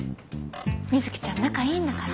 水木ちゃん仲いいんだから。